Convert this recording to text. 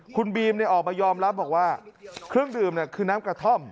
คุณบีมออกมายอมรับบอกว่าเครื่องดื่มคือน้ำกระท่อม